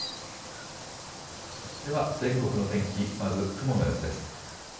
では全国の天気、まず雲の様子です。